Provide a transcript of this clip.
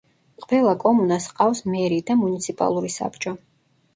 ყველა კომუნას ჰყავს მერი და მუნიციპალური საბჭო.